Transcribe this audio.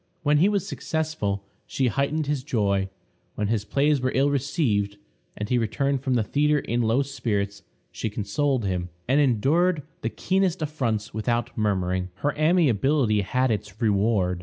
When he was successful, she heightened his joy; when his plays were ill received, and he returned from the theatre in low spirits, she consoled him, and endured the keenest affronts without murmuring. Her amiability had its reward.